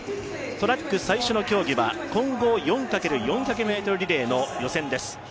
トラック最初の競技は混合４×４００ｍリレーの予選です。